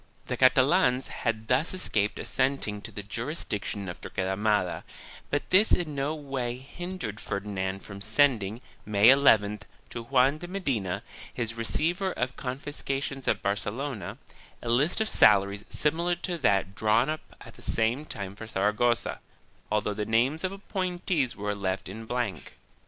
2 The Catalans had thus escaped assenting to the juris diction of Torquemada, but this in no way hindered Ferdinand from sending, May llth, to Juan de Medina, his receiver of con fiscations at Barcelona, a list of salaries similar to that drawn up at the same time for Saragossa, although the names of appointees were left in blank.